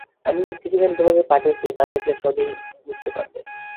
আমি যে চিঠিখানি তোমাদের পাঠিয়েছি, তা দেখলে সবই বুঝতে পারবে।